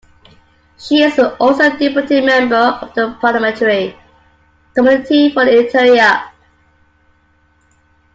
She is also a deputy member of the parliamentary Committee for the Interior.